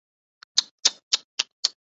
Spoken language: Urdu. اسک ڈائیونگ تو بہر حال ایک خطر کھیل ہے